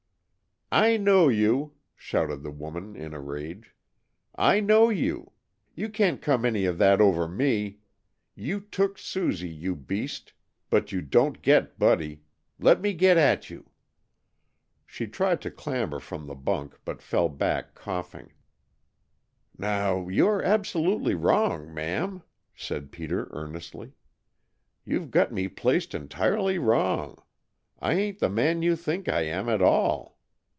"I know you!" shouted the woman in a rage. "I know you! You can't come any of that over me! You took Susie, you beast, but you don't get Buddy. Let me get at you!" She tried to clamber from the bunk, but fell back coughing. "Now, you are absolutely wrong, ma'am," said Peter earnestly. "You've got me placed entirely wrong. I ain't the man you think I am at all.